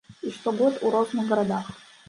І штогод у розных гарадах.